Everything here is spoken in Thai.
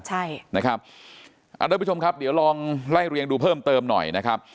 ใช่นะครับทุกผู้ชมครับเดี๋ยวลองไล่เรียงดูเพิ่มเติมหน่อยนะครับ